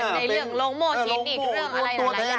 ในเรื่องโรงโม่หินอีกเรื่องอะไรหลายอย่าง